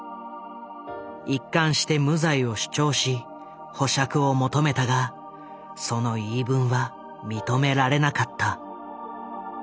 一貫して無罪を主張し保釈を求めたがその言い分は認められなかった。